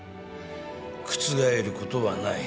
覆ることはない。